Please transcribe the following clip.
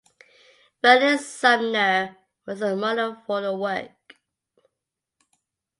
Verlyn Sumner was the model for the work.